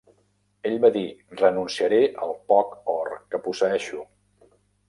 Ella va dir: 'Renunciaré al poc or que posseeixo.